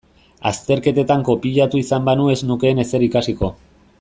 Azterketetan kopiatu izan banu ez nukeen ezer ikasiko.